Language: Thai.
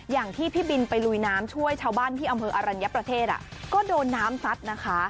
อย่างที่พี่บินไปลุยน้ำช่วยชาวบ้านที่อำเภออรัญญประเทศก็โดนน้ำซัดนะคะ